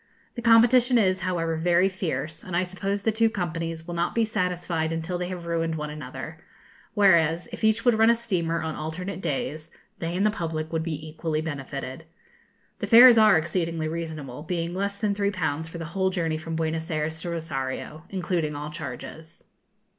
The competition is, however, very fierce, and I suppose the two companies will not be satisfied until they have ruined one another; whereas, if each would run a steamer on alternate days, they and the public would be equally benefited. The fares are exceedingly reasonable, being less than 3_l_. for the whole journey from Buenos Ayres to Rosario, including all charges.